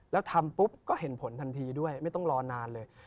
แล้วทำปุ๊บก็เห็นผลทันทีด้วยไม่ต้องรอนานเลย